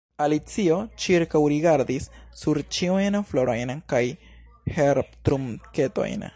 Alicio ĉirkaŭrigardis sur ĉiujn florojn kaj herbtrunketojn.